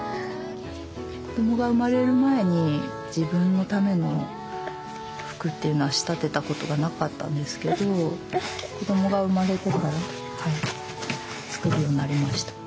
子どもが生まれる前に自分のための服っていうのは仕立てたことがなかったんですけど子どもが生まれてから作るようになりました。